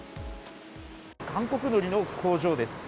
韓国のりの工場です。